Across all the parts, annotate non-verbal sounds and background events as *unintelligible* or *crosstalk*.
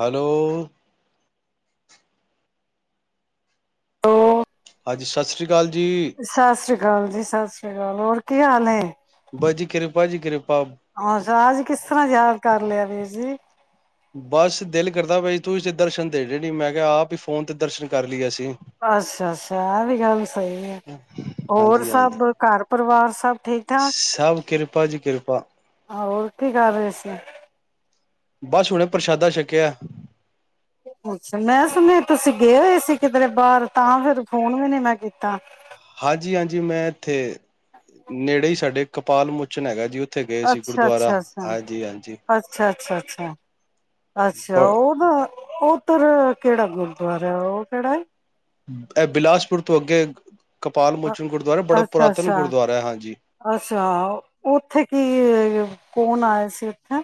Hello. Hello, ਹਾਂਜੀ ਸਤਿ ਸ਼੍ਰੀ ਅਕਾਲ ਜੀ ਕਾਲ ਜੀ ਸਤਿ ਸ੍ਰੀ ਅਕਾਲ। ਹੋਰ ਕੀ ਹਾਲ ਹੈ। ਬੱਸ ਜੀ ਕਿਰਪਾ ਜੀ ਕਿਰਪਾ ਪਾ। ਆਜ ਕਿਸ ਤਰ੍ਹਾਂ ਯਾਦ ਕਰ ਲਿਆ ਵੀਰ ਜੀ। ਬਸ ਦਿਲ ਕਰਦਾ ਬਾਈ ਤੁਸੀਂ ਤੇ ਦਰਸ਼ਨ ਦੇ ਨੀ ਮੈਂ ਕਿਹਾ ਆਪ ਹੀ ਫੋਨ ਤੇ ਦਰਸ਼ਨ ਕਰ ਲਈ ਏਸੀਂ ਅੱਛਾ ਅੱਛਾ ਐਹ ਵੀ ਗੱਲ ਸਹੀ ਆ ਹੋਰ ਹਾਂਜੀ-ਹਾਂਜੀ, ਸਭ ਘਰ ਪਰਿਵਾਰ ਸਭ ਠੀਕ ਠਾਕ। ਸਭ ਕਿਰਪਾ ਜੀ ਕਿਰਪਾ ਹੋਰ ਕੀ ਕਰ ਰਹੇ ਸੀ। ਬਸ ਹੁਣੇ ਪ੍ਰਸ਼ਾਦਾ ਛਕਿਆ। ਅੱਛਾ, ਮੈਂ ਸੁਣਿਆ ਤੁਸੀਂ ਗਏ ਹੋਏ ਸੀ ਕਿਧਰੇ ਬਾਹਰ ਤਾਂ ਫਿਰ ਫੋਨ ਵੀ ਨਹੀਂ ਮੈਂ ਕੀਤਾ। ਹਾਂਜੀ, ਹਾਂਜੀ ਮੈਂ ਇੱਥੇ ਨੇੜੇ ਹੀ ਸਾਡੇ ਕਪਾਲ ਮੁੁਚਨ ਹੈਗਾ ਜੀ ਉੱਥੇ ਗਏ ਸੀ ਅੱਛਾ, ਅੱਛਾ, ਗੁਰਦੁਆਰਾ ਅੱਛਾ, ਹਾਂਜੀ-ਹਾਂਜੀ। ਅੱਛਾ, ਅੱਛਾ, ਅੱਛਾ। ਹੂੰ। ਅੱਛਾ ਉਹ ਨਾ ਉਹ ਓ ਕਿਹੜਾ ਗੁਰਦੁਆਰਾ ਉਹ ਕਿਹੜਾ ਹੈ। ਐ ਬਿਲਾਸਪੁਰ ਤੋਂ ਅੱਗੇ। ਕਪਾਲ ਮੋਚਨ ਗੁਰਦੁਆਰਾ ਬੜਾ ਅੱਛਾ, ਪੁਰਾਤਨ ਅੱਛਾ, ਗੁਰਦੁਆਰਾ ਹੈ ਹਾਂਜੀ। ਅੱਛਾ, ਉੱਥੇ ਕੀ ਏ ਕੌਣ ਆਇਆ ਸੀ। ਹੈਂ।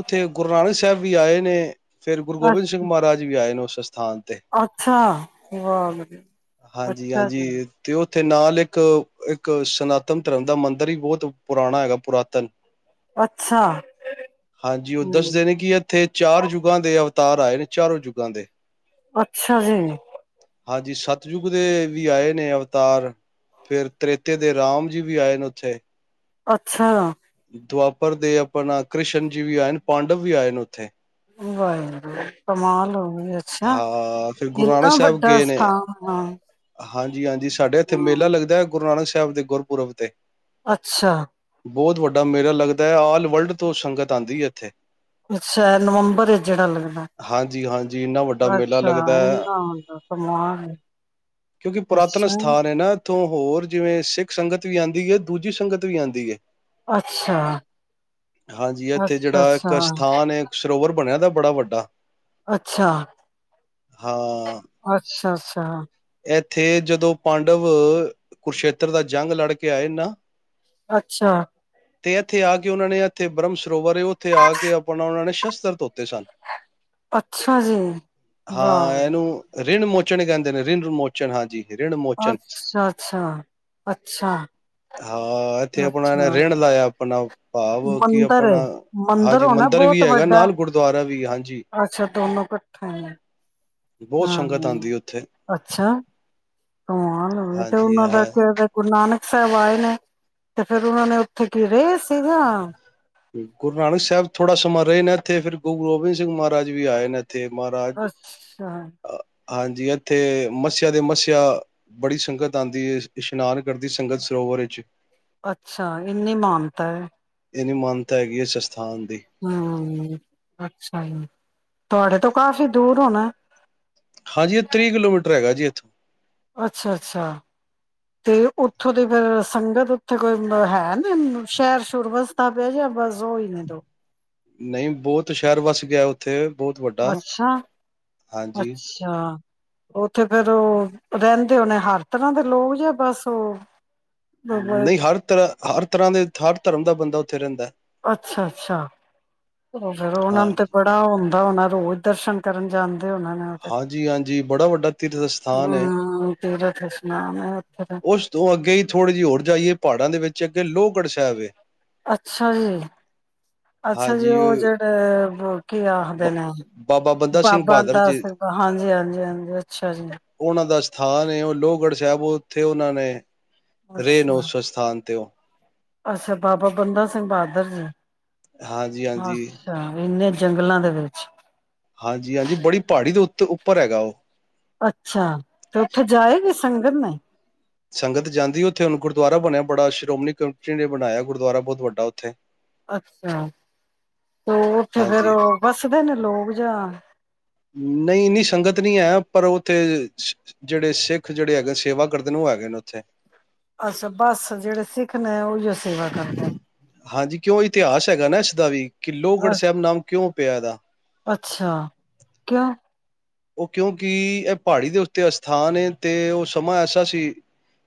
ਉੱਥੇ ਗੁਰੂ ਨਾਨਕ ਸਾਹਿਬ ਵੀ ਆਏ ਨੇ। ਫੇਰ ਗੁਰੂ ਗੋਬਿੰਦ ਸਿੰਘ ਅੱ ਮਹਾਰਾਜ ਵੀ ਆਏ ਨੇ ਉਸ। ਸਥਾਨ ਤੇ ਅੱਛਾ ਵਾਹ ਅੱਛਾ। ਉਥੇ ਨਾਲ ਇੱਕ ਇੱਕ ਸਨਾਤਨ ਧਰਮ ਦਾ ਮੰਦਿਰ ਹੀ ਬਹੁਤ ਪੁਰਾਣਾ ਹੈਗਾ ਪੁਰਾਤਨ। ਅੱਛਾ ਹਾਂਜੀ ਉਹ ਹਮ ਦੱਸਦੇ ਨੇ ਕਿ ਇੱਥੇ ਚਾਰ ਯੁਗਾਂ ਦੇ ਅਵਤਾਰ ਆਏ ਨੇ ਚਾਰੋਂ ਯੁੱਗਾਂ ਦੇ ਅੱਛਾ ਜੀ। ਹਾਂਜੀ ਸਤਿਯੁਗ ਦੇ ਵੀ ਆਏ ਨੇ ਅਵਤਾਰ ਫਿਰ ਤ੍ਰੇਤੇ ਦੇ ਰਾਮ ਜੀ ਵੀ ਆਏ ਨੇ ਉੱਥੇ। ਅੱਛਾ। ਦੁਆਪਰ ਦੇ ਆਪਣਾ ਕ੍ਰਿਸ਼ਨ ਜੀ ਵੀ ਆਏ ਪਾਂਡਵ ਵੀ ਆਏ ਨੇ ਉੱਥੇ। ਵਾਹਿਗੁਰੂ ਕਮਾਲ ਹੋ ਅੱਛਾ ਹਾਂ ਫਿਰ ਗੁਰੂ ਨਾਨਕ ਇੰਨਾ ਸਾਹਿਬ ਵੱਡਾ ਗਏ ਨੇ ਸਥਾਨ ਹਾਂ। ਹਾਂਜੀ-ਹਾਂਜੀ। ਜੀ, ਸਾਡੇ ਇੱਥੇ ਹਾਂ ਮੇਲਾ ਲੱਗਦਾ ਹੈ ਗੁਰੂ ਨਾਨਕ ਇਂਦੇ ਗੁਰਪੁਰਬ ਤੇ। ਅੱਛਾ। ਬਹੁਤ ਵੱਡਾ ਮੇਰਾ ਲੱਗਦਾ ਹੈ, ਆਲ ਵਰਲਡ ਤੋਂ ਸੰਗਤ ਆਉਂਦੀ ਹੇ ਇੱਥੇ। ਅੱਛਾ, ਨਵੰਬਰ ਇਚ ਜਿਹੜਾ ਲੱਗਦਾ ਹਾਂਜੀ, ਹਾਂਜੀ ਇੰਨਾ ਵੱਡਾ ਮੇਲਾ ਅੱਛਾ, ਲੱਗਦਾ ਹੈ ਇਨਾ ਸਮਾਨ ਕਿਉਂਕਿ ਪੁਰਾਤਨ ਸਥਾਨ ਹੈ ਨਾ। ਉੱਥੋਂ ਹੋਰ ਜਿਵੇਂ ਸਿੱਖ ਸੰਗਤ ਵੀ ਆਉਂਦੀ ਹੈ ਦੂਜੀ ਸੰਗਤ ਵੀ ਆਉਂਦੀ ਹੈ। ਅੱਛਾ ਹਾਂਜੀ, ਇੱਥੇ ਅੱਛਾ ਜਿਹੜਾ ਅੱਛਾ ਇੱਕ ਸਥਾਨ ਹੈ ਸਰੋਵਰ। ਬਣਿਆ ਦਾ ਬੜਾ ਵੱਡਾ। ਅੱਛਾ। ਹਾਂ। ਅੱਛਾ-ਅੱਛਾ। ਤਾਂ ਇੱਥੇ ਜਦੋਂ ਪਾਂਡਵ ਕੁਰਸ਼ੇਤਰ ਦਾ ਜੰਗ ਲੜਕੇ ਆਏ ਨਾ। ਅੱਛਾ। ਤੇ ਇੱਥੇ ਆ ਕੇ ਉਹਨਾਂ ਨੇ ਇੱਥੇ ਬ੍ਰਹਮ ਸਰੋਵਰੇ ਉੱਥੇ ਆ ਕੇ ਆਪਣਾ ਉਹਂਨਾ ਨੇ ਵਸਤਰ ਧੋਤੇ ਸਨ। ਅੱਛਾ ਜੀ ਹਾਂ ਵਾਹ ਇਹਨੂੰ ਰੀਣ ਮੁਚ ਕੁਛ ਨੀ ਕਹਿੰਦੇ ਨੇ। ਰਿਣ ਮੋਚਨ ਹਾਂਜੀ। ਰਿਣ ਮੋਚਨ ਅੱਛਾ-ਅੱਛਾ-ਅੱਛਾ। ਹਾਂ ਇੱਥੇ ਆਪਣਾ ਨੇ ਰਿਣ ਲਾਇਆ। ਆਪਣਾ ਭਾਵ ਕਿ ਮੰਦਰ, ਆਪਣਾ ਮੰਦਿਰ ਹਾਂਜੀ ਹੋਣਾ ਬਹੁਤ ਵੀ ਹੈਗਾ ਵੱਡਾ ਨਾਲ ਗੁਰਦੁਆਰਾ ਵੀ ਹਾਂਜੀ ਅੱਛਾ ਦੋਨੋ ਕੱਠੇ। ਬਹੁਤ ਸੰਗਤ ਆਉਂਦੀ ਹੈ ਉੱਥੇ। ਅੱਛਾ, ਕਮਾਲ ਹੋਗਈ ਤੇ ਹਾਂਜੀ ਉਹਨਾਂ ਦਾ ਹਾਂ ਗੁਰੂ ਨਾਨਕ ਸਬ ਆਏ ਨੇ ਤੇ ਫਿਰ ਉਹਨਾਂ ਨੇ ਉੱਥੇ ਕੀ ਰਹੇ ਸੀਗੇ। ਗੁਰੂ ਨਾਨਕ ਸਾਹਿਬ ਥੋੜਾ ਸਮਾਂ ਰਹੇ ਨੇ ਇੱਥੇ ਫਿਰ ਗੁਰੂ ਗੋਬਿੰਦ ਸਿੰਘ ਮਹਾਰਾਜ ਵੀ ਆਏ ਨੇ। ਤੇ ਮਹਾਰਾਜ ਅੱਛਾ ਹਾਂਜੀ, ਇੱਥੇ ਮੱਸਿਆ ਦੇ ਮੱਸਿਆ ਬੜੀ ਸੰਗਤ ਆਉਂਦੀ ਹੈ ਇਸ਼ਨਾਨ ਕਰਦੀ ਸੰਗਤ ਸਰੋਵਰ ਵਿੱਚ। ਅੱਛਾ, ਇੰਨੀ ਮਾਨਤਾ ਹੈ। ਇਹਨੀ ਮਾਨਤਾ ਹੈਗੀ ਹੈ ਇਸ ਅਸਥਾਨ ਦੀ ਹਾਂ। ਹਾਂਜੀ, ਤੁਹਾਡੇ ਤੋਂ ਕਾਫ਼ੀ ਦੂਰ ਹੋਣਾ। ਹਾਂਜੀ, ਇਹ ਤੀਹ ਕਿਲੋਮੀਟਰ ਹੈਗਾ ਜੀ ਇੱਥੋਂ ਅੱਛਾ- ਅੱਛਾ ਤੇ ਉੱਥੋਂ ਦੀ ਫਿਰ ਸੰਗਤ ਉੱਥੇ ਕੋਈ ਤ ਹੈ ਨ ਸ਼ਹਿਰ ਸ਼ੁਰਬਸਤਾ ਪਿਆ ਜਾਂ ਬਸ ਉਹੀ ਨੇ ਦੋ ਨਹੀਂ ਬਹੁਤ ਸ਼ਹਿਰ ਵੱਸ ਗਿਆ ਉੱਥੇ ਬਹੁਤ ਵੱਡਾ ਅੱਛਾ- ਹਾਂਜੀ ਅੱਛਾ। ਉੱਥੇ ਫਿਰ ਉਹ ਰਹਿੰਦੇ ਹੋਣੇ ਹਰ ਤਰ੍ਹਾਂ ਦੇ ਲੋਕ ਜ ਬਸ ਉਹ ਨਹੀਂ ਹਰ ਤਰ੍ਹਾਂ ਹਰ ਤਰ੍ਹਾਂ ਦੇ ਹਰ ਧਰਮ ਦਾ ਬੰਦਾ ਉੱਥੇ ਰਹਿੰਦਾ ਅੱਛਾ- ਅੱਛਾ, ਫਿਰ ਉਹਨਾਂ ਨੂੰ ਤੇ ਹਾਂਜੀ ਬੜਾ ਉਹ ਹੁੰਦਾ ਤਾਂ ਉਹ ਨਾ ਰੋਜ਼ ਦਰਸ਼ਨ ਕਰਨ ਜਾਂ ਹਾਂਜੀ- ਹਾਂਜੀ ਬੜਾ ਵੱਡਾ ਤੀਰਥ ਸਥਾਨ ਹੈ, ਹਮ ਤੀਰਥ ਇਸ਼ਨਾਨ ਹੈ ਉੱਥੇ ਦਾ ਉਸ ਤੋਂ ਅੱਗੇ ਹੀ ਥੋੜ੍ਹੇ ਜਿਹੀ ਹੋਰ ਜਾਈਏ ਪਹਾੜਾਂ ਦੇ ਵਿੱਚ ਤੇ ਅੱਗੇ ਲੋਹਗੜ੍ਹ ਸਾਹਿਬ ਏ। ਅੱਛਾ ਜੀ, ਅੱਛਾ ਜੀ ਹਾਂਜੀ ਉਹ ਜਿਹੜੇ ਹੂੰ। ਕੀ ਬ ਆਖਦੇ ਨੇ ਬਾਬਾ ਬੰਦਾ ਸਿੰਘ ਬਾਬਾ ਬਹਾਦਰ ਦਾ ਜੀ ਹਾਂਜੀ- ਹਾਂਜੀ- ਹਾਂਜੀ, ਅੱਛਾ ਜੀ। ਉਹਨਾਂ ਦਾ ਸਥਾਨ ਹੈ, ਉਹ ਲੋਹਗੜ੍ਹ ਸਾਹਿਬ ਉੱਥੇ ਉਹਨਾਂ ਨੇ ਰੇ ਨੂੰ ਅੱਛਾ ਉਸ ਸਥਾਨ ਤੇ ਉਹ ਅੱਛਾ, ਬਾਬਾ ਬੰਦਾ ਸਿੰਘ ਬਹਾਦਰ ਜੀ ਹਾਂਜੀ ਹਾਂਜੀ ਅੱਛਾ ਇਨੇ ਜੰਗਲਾਂ ਦੇ ਵਿੱਚ ਹਾਂਜੀ- ਹਾਂਜੀ, ਬੜੀ ਪਹਾੜੀ ਦੇ ਉੱਤੇ ਉੱਪਰ ਹੈਗਾ ਉਹ ਅੱਛਾ ਤੇ ਉੱਥੇ ਜਾਏਗੀ ਸੁ ਸੰਗਤ ਨੇ ਸੰਗਤ ਜਾਂਦੀ ਉੱਥੇ ਹੁਣ ਗੁਰਦੁਆਰਾ ਬਣਿਆ ਬੜਾ ਸ਼੍ਰੋਮਣੀ ਕਮੇਟੀ ਨੇ ਬਣਾਇਆ ਗੁਰਦੁਆਰਾ ਬਹੁਤ ਵੱਡਾ ਉੱਥੇ। ਅੱਛਾ ਤੇ ਉੱਥੇ ਹਾਂਜੀ ਫਿਰ ਬਸ ਬਿਨ ਲੋਭ ਜਾਣ ਨਹੀਂ ਇੰਨੀ ਸੰਗਤ ਨਹੀਂ ਹੈ, ਪਰ ਉੱਥੇ ਜਿਹੜੇ ਸਿੱਖ ਜਿਹੜੇ ਹੈਗੇ ਸੇਵਾ ਕਰਦੇ ਨੇ ਉਹ ਹੈਗੇ ਨੇ ਉੱਥੇ ਅੱਛਾ ਬਸ ਜਿਹੜੇ ਸਿੱਖ ਨੇ ਉਹੀ ਸੇਵਾ ਕਰਦਾ। ਹਾਂਜੀ ਕਿਉਂ ਇਤਿਹਾਸ ਹੈਗਾ ਨਾ ਇਸਦਾ ਵੀ ਕਿ ਲੋਹਗੜ੍ਹ ਬਸ ਸਾਹਿਬ ਨਾਮ ਕਿਉਂ ਪਿਆ ਇਹਦਾ। ਅੱਛਾ ਕਿਉਂ ਉਹ ਕਿਉਂਕਿ ਇਹ ਪਹਾੜੀ ਦੇ ਉੱਤੇ ਅਸਥਾਨ ਹੈ ਤੇ ਉਹ ਸਮਾਂ ਐਸਾ ਸੀ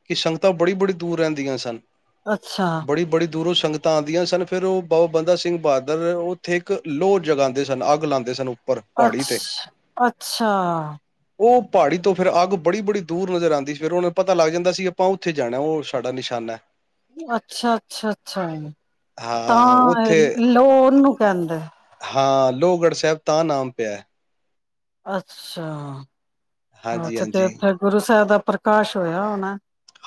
ਕਿ ਸੰਗਤਾਂ ਬੜੀ- ਬੜੀ ਦੂਰ ਰਹਿੰਦੀਆਂ ਸਨ। ਅੱਛਾ। ਬੜੀ ਬੜੀ ਦੂਰੋਂ ਸੰਗਤਾਂ ਆਉਂਦੀਆਂ ਸਨ, ਫਿਰ ਉਹ ਬਾਬਾ ਬੰਦਾ ਸਿੰਘ ਬਹਾਦਰ ਉੱਥੇ ਇੱਕ ਲੋਹ ਜਗਾਉਂਦੇ ਸਨ, ਅੱਗ ਲਾਉਂਦੇ ਸਨ। ਪਹਾੜੀ ਤੇ ਅੱਛਾ ਅੱ ਅੱਛਾ। ਉਹ ਪਹਾੜੀ ਤੋਂ ਫਿਰ ਅੱਗ ਬੜੀ- ਬੜੀ ਦੂਰ ਨਜ਼ਰ ਆਉਂਦੀ ਫਿਰ ਉਹਨਾਂ ਨੂੰ ਪਤਾ ਲੱਗ ਜਾਂਦਾ ਸੀ, ਆਪਾਂ ਉੱਥੇ ਜਾਣਾ ਉਹ ਸਾਡਾ ਨਿਸ਼ਾਨਾ ਹੈ। ਅੱਛਾ ਅੱਛਾ ਅੱਛਾ ਹੈ। ਹਾਂ ਤਾਂ ਉੱਥੇ ਲੋਨ ਪੈਂਦਾ ਹਾਂ ਲੋਹਗੜ੍ਹ ਸਾਹਿਬ ਤਾਂ ਨਾਮ ਪਿਆ ਅੱਛਾ ਅੱਛਾ ਤੇ ਹਾਂਜੀ-ਹਾਂਜੀ, ਫੇ ਗੁਰੂ ਸਾਹਿਬ ਦਾ ਪ੍ਰਕਾਸ਼ ਹੋਇਆ ਹੋਣਾ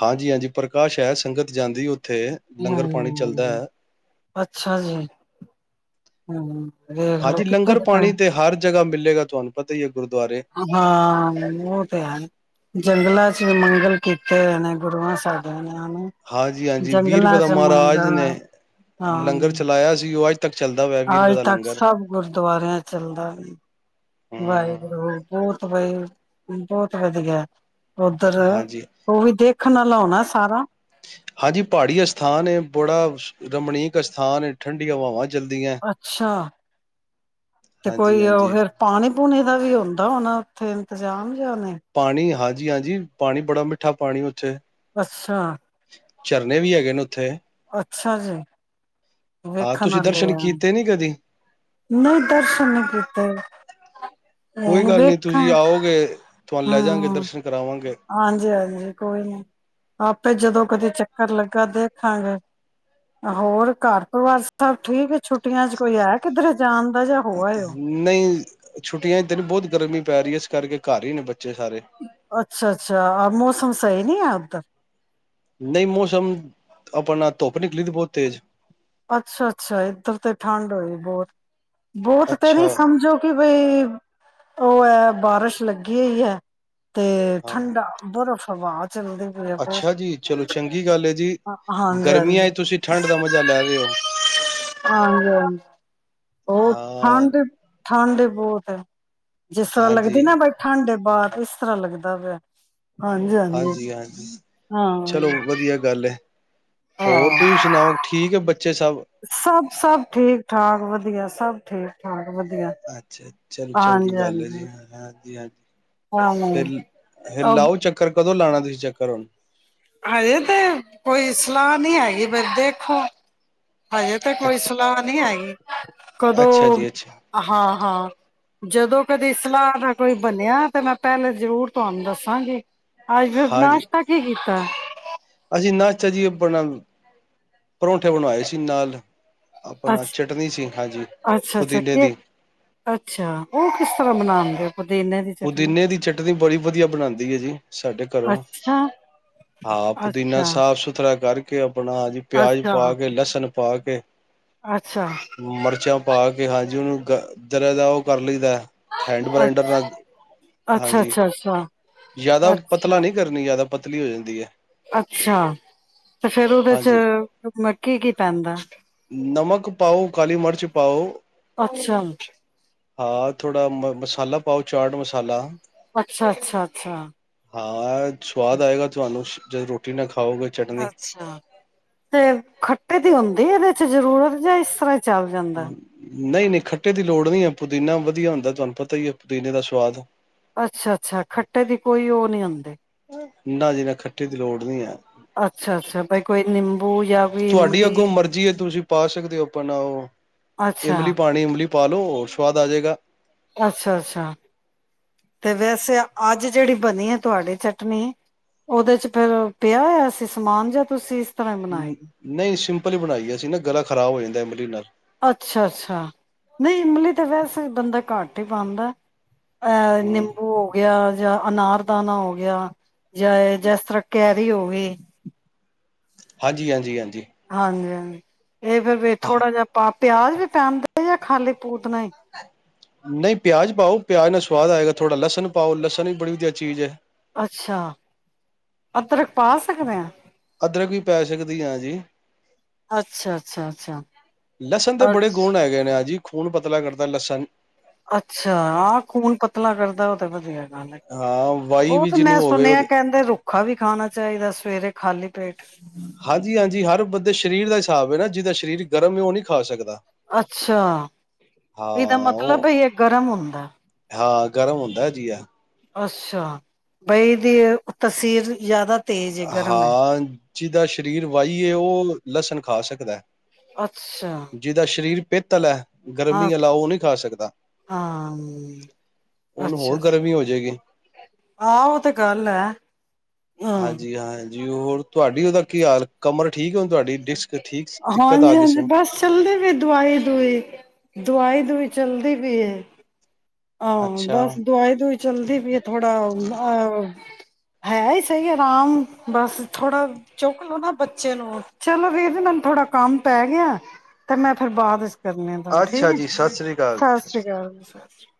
ਹਾਂਜੀ ਹਾਂਜੀ ਪ੍ਰਕਾਸ਼ ਹੈ ਸੰਗਤ ਜਾਂਦੀ ਲੰਗਰ ਪਾਣੀ ਚੱਲਦਾ ਹਮ ਹੈ। ਅੱਛਾ ਜੀ ਹਮ ਦੇਖਲੋ ਹਾਂਜੀ, ਕਿੱਥੇ ਲੰਗਰ ਕਿੱਥੇ ਪਾਣੀ ਤੇ ਹਰ ਜਗ੍ਹਾ ਮਿਲੇਗਾ ਤੁਹਾਨੂੰ ਪਤਾ ਹੀ ਹੈ ਗੁਰਦੁਆਰੇ ਹਾਂ ਉਹ ਤੇ ਹੈ ਜੰਗਲਾਂ ਚ ਮੰਗਲ ਕੀਤੇ ਨੇ ਗੁਰੂਆਂ ਸਾਧੀਆਂ ਹਾਂਜੀ ਹਾਂਜੀ ਵੀਹ ਰੁਪਏ ਦਾ ਮਹਾਰਾਜ ਮੰਗਣਾ ਨੇ ਲੰਗਰ ਚਲਾਇਆ ਸੀ ਉਹ ਅੱਜ ਤੱਕ ਚੱਲਦਾ ਹੋਇਆ ਵੀਹ ਰੁਪਏ ਆਜ ਦਾ ਤੱਕ ਲੰਗਰ ਸਭ ਗੁਰਦੁਆਰਿਆਂ ਚੱਲਦਾ ਹੂੰ, ਵਾਹਿਗੁਰੂ ਬੋਹਤ ਬਾਈ ਬਹੁਤ ਵਧੀਆ ਉੱਧਰ ਹਾਂਜੀ। ਉਹ ਵੀ ਦੇਖ ਅੱਖ ਨਾਲ ਲਾਉਣਾ ਸਾਰਾ ਹਾਂਜੀ ਪਹਾੜੀ ਅਸਥਾਨ ਏ ਬੜਾ ਰਮਣੀਕ ਅਸਥਾਨ ਠੰਢੀਆਂ ਹਵਾਵਾਂ ਚਲਦੀਆਂ। ਅੱਛਾ ਤੇ ਕੋਈ ਉਹ ਹਾਂਜੀ-ਹਾਂਜੀ, ਫਿਰ ਪਾਣੀ ਬੁਣੇ ਦਾ ਵੀ ਹੁੰਦਾ ਹੋਣਾ ਉੱਥੇ ਇੰਤਜ਼ਾਮ ਜਾਂ ਨਹੀਂ ਪਾਣੀ ਹਾਜੀ ਹਾਂਜੀ ਹਾਂਜੀ ਪਾਣੀ ਬੜਾ ਮਿੱਠਾ ਪਾਣੀ ਉੱਥੇ ਅੱਛਾ ਝਰਨੇ ਵੀ ਹੈਗੇ ਨੇ ਉੱਥੇ ਅੱਛਾ ਜੀ ਹਾਂ ਵੇਖਣ ਤੁਸੀਂ ਵਾਲੇ ਦਰਸ਼ਨ ਆ ਕੀਤੇ ਨੀ ਕਦੀ ਨਹੀਂ ਦਰਸ਼ਨ ਨੀ ਕੀਤੇ ਕੋਈ ਉਹਨ ਗੱਲ ਨਹੀਂ ਵੇਖਾਂ ਤੁਸੀਂ ਆਓਗੇ ਤੁਹਾਨੂੰ ਲੈ ਜਾਗੇ ਹਾਂ ਦਰਸ਼ਨ ਕਰਾਵਾਂਗੇ ਹਾਂਜੀ ਹਾਂਜੀ ਕੋਈ ਨੀ ਆਪੇ ਜਦੋਂ ਕਦੇ ਚੱਕਰ ਲੱਗਾ ਦੇ ਹਾਂਜੀ ਹੋਰ ਘਰ ਪਰਿਵਾਰ ਸਬ ਠੀਕ ਛੁੱ ਛੁੱਟੀਆਂ ਕੋਈ ਹੈ ਕਿੱਧਰ ਰਾਮ ਨਹੀਂ ਛੁੱਟੀਆਂ ਚ ਦਿਨ ਬਹੁਤ ਗਰਮੀ ਪੈ ਰਹੀ ਹੈ ਇਸ ਕਰਕੇ ਘਰ ਹੀ ਨੇ ਬੱਚੇ ਸਾਰੇ ਅੱਛਾ ਅੱਛਾ ਮੌਸਮ ਪਏ ਨਹੀਂ ਹੈ ਅਬ ਤਕ ਨਹੀਂ ਮੌਸਮ ਆਪ ਨਾਲ ਧੋਪ ਨਿਕਲੀਦੀ ਬਹੁਤ ਤੇਜ ਅੱਛਾ-ਅੱਛਾ ਇੱਧਰ ਤੇ ਠੰਡ ਹੋਈ, ਬਹੁਤ-ਬਹੁਤ ਤੇ ਅੱਛਾ ਨੀ ਸਮਝੋ ਕਿ ਵੀ ਉਹ ਐ ਬਾਰਿਸ਼ ਲੱਗੀ ਹੀ ਹੈ। ਤੇ ਹਾਂ ਠੰਡਾ ਬਰਫ਼ ਸਵਾਦ, ਅੱਛਾ ਜੀ ਚਲੋ ਚੰਗੀ ਗੱਲ ਹੈ, ਜੀ ਗਰਮੀਆਂ ਚ ਤੁਸੀਂ ਠੰਢ ਦਾ ਮਜ਼ਾ ਲੈ। ਰਹੇ ਹੋ ਹਾਂਜੀ-ਹਾਂਜੀ, ਹੋਰ ਹਾਂ ਠੰਡ-ਠੰਡ। ਬਹੁਤ, ਜਿਸ ਤਰ੍ਹਾਂ ਲੱਗਦੀ ਹਾਂਜੀ ਨਾ ਬਾਈ ਠੰਢ ਦੇ ਬਾਰ ਇਸ ਤਰ੍ਹਾਂ ਲੱਗਦਾ ਪਿਆ। ਹਾਂਜੀ ਹਾਂਜੀ ਹਾਂਜੀ-ਹਾਂਜੀ ਚਲੋ ਹਾਂ ਵਧੀਆ ਗੱਲ ਹੈ। ਹੋਰ ਤੁਸੀਂ ਸੁਣਾਓ? ਠੀਕ ਹੈ ਬੱ ਸਭ-ਸਭ ਠੀਕ ਠਾਕ ਵਧੀਆ ਸਭ। ਠੀਕ-ਠਾਕ। ਅੱਛਾ, ਚਲੋ ਚੰਗੀ ਗੱਲ ਹੈ ਜੀ ਹ ਹਾਂ। ਜੀ ਹਾਂ ਹਾਂਜੀ ਫਿਲ-ਫਿਰ ਹਾਂ ਲਾਓ ਚੱਕਰ। ਕਦੋਂ ਲਾਣਾ ਤੁਸੀ ਚੱਕਰ ਹੁਣ? ਹਜੇ ਤੇ ਕੋਈ ਸਲਾਹ ਨੀ ਹੈਗੀ ਪਰ ਦੇਖੋ। ਹਜੇ ਤਾਂ ਕੋਈ ਅੱਛ ਸਲਾਹ ਨਹੀਂ ਹੈਗੀ। ਅੱਛਾ ਕਦੋਂ ਜੀ ਅੱਛਾ ਹਾਂ-ਹਾਂ। ਜਦੋਂ ਕਦੇ ਸਲਾਹ ਦਾ ਕੋਈ ਬਣਿਆ, ਤਾਂ ਮੈਂ ਪਹਿਲੇ ਜ਼ਰੂਰ ਤੁਹਾਨੂੰ ਦੱਸਾਂਗੀ। ਅੱਜ ਹਾਂਜੀ ਨਾਸ਼ਤਾ ਕੀ ਕੀ ਹਾਂ। ਅਸੀਂ ਨਾਚਾ ਜੀ ਆਪਣਾ, ਪਰੌਂਠੇ ਬਣਵਾਏ ਸੀ ਨਾਲ। ਆਪਣਾ ਚਟਨੀ ਸੀ ਹਾਂਜੀ ਅੱਛ-ਅੱਛਾ-ਅੱਛਾ ਪੁਦੀਨੇ ਕੇ ਦੀ ਅੱਛਾ ਉਹ ਕਿਸ ਤਰ੍ਹਾਂ ਬਣਾਉਂਦੇ ਔ? ਪੁਦੀਨੇ ਦੀ ਚਟਨੀ ਬੜੀ ਵਧੀਆ ਬਣਾਦੀ ਹੈ ਜੀ ਸਾਡੇ ਘਰੋਂ, ਅੱਛਾ ਹਾਂ ਪੁਦੀਨਾ ਅੱਛਾ ਸਾਫ ਸੁਥਰਾ ਕਰ *unintelligible* ਆਪਣਾ ਜੀ ਪਿਆਜ ਪਾ ਅੱਛਾ ਕੇ, ਲਸਣ ਪਾ ਕੇ। ਅੱਛਾ, ਕੇ ਮਿਰਚਾਂ ਪਾ ਕੇ, ਹਾਂਜੀ ਉਹਨੂੰ ਗ ਜਰਾਂ ਜਾਂ ਉਹ ਕਰ ਲਈਦਾ ਐ। ਹੈਂਡ ਬ੍ਰਾਈਨਡਰ ਨਾਲ। ਅੱਛਾ-ਅੱਛਾ-ਅੱਛਾ। ਯਾਦਾ ਪਤਲਾ ਨਹੀਂ ਕਰਨੀ ਯਾਦਾ। ਪਤਲੀ ਹੋ ਜਾਂਦੀ ਹੈ। ਅੱਛਾ ਤੇ ਫੇਰ ਉਹਦੇ ਚ ਹਾਂਜੀ ਮੱਕੀ ਕੀ ਪੈਂਦਾ? ਨਮਕ ਪਾਓ, ਕਾਲੀ ਮਿਰਚ ਪਾਓ। ਅੱਛਾ, ਹਾਂ ਥੋੜਾ ਮ ਮਸਾਲਾ ਪਾਓ, ਚਾਟ ਮਸਾਲਾ। ਅੱਛਾ, ਅੱਛਾ, ਅੱਛਾ, ਹਾਂ ਸਵਾਦ ਆਏਗਾ ਤੁਹਾਨੂੰ। ਜਦੋਂ ਰੋਟੀ ਨਾਲ ਖਾ ਅੱਛਾ ਤੇ ਖੱਟੇ ਦੀ ਹੁੰਦੀ ਇਹਦੇ। ਜ਼ਰੂਰਤ ਜਾਂ ਇਸ ਤਰ੍ਹਾਂ। ਚਲ ਜਾਂਦਾ। ਨਹੀਂ-ਨਹੀਂ ਖੱਟੇ ਦੀ ਲੋੜ ਨਹੀਂ ਹੈ, ਪੁਦੀਨਾ ਵਧੀਆ ਹੁੰਦਾ ਤੁਹਾਨੂੰ ਪਤਾ ਹੀ ਪੁਦੀਨੇ ਦਾ ਸਵਾਦ। ਅੱਛਾ-ਅੱਛਾ ਖੱਟੇ ਦੀ ਕੋਈ ਉਹ ਨਹੀਂ ਹੁੰਦੀ। ਨਾ ਜੀ ਨਾ ਖੱਠੇ ਦੀ ਲੋੜ ਨੀ ਹੈ, ਅੱਛਾ, ਅੱਛਾ ਬਾਈ ਕੋਈ ਨਿੰਬੂ ਜਾਂ ਕੋਈ ਤੁਹਾਡੀ ਇਮਲੀ ਅੱਗੋਂ ਮਰਜ਼ੀ ਹੈ ਤੁਸੀਂ ਪਾ ਸਕਦੇ ਹੋ, ਆਪਾਂਣਾ ਔ ਅੱਛਾ, ਇਮਲੀ ਪਾਣੀ ਇਮਲੀ ਪਾਲੋ ਸਵਾਦ ਆ ਜਾਏਗਾ। ਅੱਛਾ-ਅੱਛਾ ਤੇ ਵੈਸੇ ਅੱਜ ਜਿਹੜੀ ਬਣੀ ਹੈ, ਤੁਹਾਡੀ ਚਟਨੀ ਉਹਦੇ ਚ ਫੇਰ ਪਿਆ ਹੋਆ ਸੀਂ ਸਮਾਨ ਜਾਂ ਤੁਸੀਂ ਤਰ੍ਹਾਂ ਹੀ ਬਣਾਈ? ਨਹੀਂ ਸਿੰਪਲ ਹੀ ਬਣਾਈ ਅਸੀਂ ਨਾ ਗਲ ਖਰਾਬ ਹੋ ਜਾਂਦਾ ਇਮਲੀ ਨਾਲ ਅੱਛਾ-ਅੱਛਾ ਨਹੀਂ ਇਮਲੀ ਤਾਂ ਵੈਸੇ, ਬੰਦਾ ਘੱਟ ਹੀ ਪਾਦਾ। ਅਹ ਹਾਂ ਨਿੰਬੂ ਹੋ ਗਿਆ। ਜਾਂ ਅਨਾਰ ਦਾਨਾ ਹੋ ਗਿਆ ਜਾਂ, ਜਿਸ ਤਰ੍ਹਾਂ ਕੈਰੀ ਹੋ ਗਈ। ਹਾਂਜੀ-ਹਾਂਜੀ-ਹਾਂਜੀ। ਹਾਂਜੀ-ਹਾਂਜੀ। ਇਹ ਫਿਰ ਥੋੜਾ ਹਾਂ ਜਿਹਾ ਪਾ ਪਿਆਜ਼ ਵੀ ਪਾਦੇ ਜਾਂ ਖਾਲੀ। ਪੂਤਨਾ ਹੀ ਨਹੀਂ ਪਿਆਜ ਪਾਓ ਪਿਆਜ ਨਾਲ ਸੁਵਾਦ ਆਏਗਾ, ਥੋੜ੍ਹਾ ਲਸਣ ਪਾਓ ਲਸਣ ਵੀ ਬਹੁਤ ਵਧੀਆ ਚੀਜ਼ ਹੈ। ਅੱਛਾ, ਅਦਰਕ ਪਾ ਸਕਦੇ ਆ ਅਦਰਕ ਵੀ ਪੈ ਸਕਦੀ ਹੈ ਜੀ, ਅੱਛਾ-ਅੱਛਾ-ਅੱਛਾ ਲਸਣ ਦੇ ਬੜੇ ਅੱਛ ਗੁਣ ਹੈਗੇ ਨੇ ਆ ਜੀ। ਖੂਨ ਪਤਲਾ ਕਰਦਾ ਲਸਨ, ਅੱਛਾ ਆਹ ਖੂਨ ਪਤਲਾ ਕਰਦਾ ਉਹ ਤਾਂ ਵਧੀਆ, ਹਾਂ ਵਾਈ ਉਹ ਵੀ ਤੇ ਜਿਹਨੂੰ ਮੈਂ ਹੋਵੇ ਸੁਣਿਆ ਉਹਦੇ ਕਹਿੰਦੇ ਰੁਕ ਭੁੱਖਾ ਵੀ ਖਾਣਾ ਚਾਹੀਦਾ ਸਵੇਰੇ ਖਾਲੀ। ਪੇਟ ਹਾਂਜੀ ਹਾਂਜੀ ਹਰ ਬੰਦ। ਸਰੀਰ ਦਾ ਹਿਸਾਬ ਹੈ ਨਾ। ਜਿਹਦਾ ਸਰੀਰ ਗਰਮ ਉਹ ਨਹੀਂ ਖਾ ਸਕਦਾ। ਅੱਛਾ ਹਾਂ ਇਹਦਾ ਮਤਲਬ ਉਹ ਇਹ ਗਰਮ ਹੁੰਦਾ। ਹਾਂ ਗਰਮ ਹੁੰਦਾ ਜੀਆ। ਅੱਛਾ। ਬਈ ਦੀ ਉ ਤਸੀਰ ਤੂੰ ਜ਼ਿਆਦਾ। ਤੇਜ ਗਰਮ ਹੈ। ਜੀਦਾ ਸਰੀਰ ਵਹੀਏ ਉਹ ਲਸਣ ਖਾ ਸਕਦਾ ਹੈ। ਅੱਛਾ ਪਿੱਤਲ ਹੈ ਅ ਗਰਮੀ ਵਾਲਾ ਉਹ ਨਹੀਂ ਖਾ ਸਕਦਾ ਹਾਂ ਉਹਨੂੰ ਅੱਛਾ ਹੋਰ ਅੱਛਾ ਗਰਮੀ ਹੋ ਜਾਏਗੀ ਆਹ ਉਹ ਤੇ ਗੱਲ ਹੈ ਹਮ ਹਾਂਜੀ ਹਾਂ ਜੀ ਹੋਰ ਤੁਹਾਡੀ ਉਹਦਾ ਕੀ ਹਾਲ ਕਮਰ ਠੀਕ ਹੈੁਣ ਤੁਹਾਡੀ ਡਿਸਕ ਠੀਕ ਦਿੱਕਤ ਆ ਹਾਂਜੀ ਗਈ ਹਾਂਜੀ ਸੀ ਬਸ ਚੱਲਦੇ ਵੀ ਦਵਾਈ ਦੁਈ ਦਵਾਈ ਵੀ ਚੱਲਦੀ ਪਈ ਹੈ ਹਾਂ ਅੱਛਾ ਬਸ ਦਵਾਈ ਦੁਈ ਚਲਦੀ ਪਈ ਉਹ ਥੋੜਾ ਅਹ ਹੈ ਹੀ ਸਹੀ ਆਰਾਮ ਬਸ ਥੋੜਾ ਚੁੱਕ ਲੋਓ ਨਾ ਬੱਚੇ ਨੂੰ ਚਲੋ ਵੀਰ ਜੀ ਮੈਨੂੰ ਥੋੜਾ ਕੰਮ ਪੈ ਗਿਆ ਤੇ ਮੈਂ ਫੇਿਰ ਬਾਅਦ ਕਰਨੇ ਆ ਠੀਕ ਅੱਛਾ ਹੈ ਜੀ ਸਤਿ ਸ੍ਰੀ ਅਕਾਲ ਸਤਿ ਜੀ ਸ੍ਰੀ ਅਕਾਲ ਜ ਹ